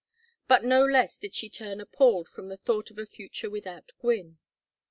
But no less did she turn appalled from the thought of a future without Gwynne.